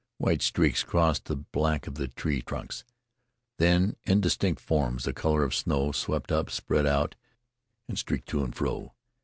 White streaks crossed the black of the tree trunks; then indistinct forms, the color of snow, swept up, spread out and streaked to and fro.